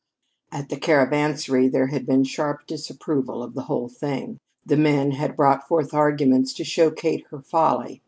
At the Caravansary there had been sharp disapproval of the whole thing. The men had brought forth arguments to show Kate her folly.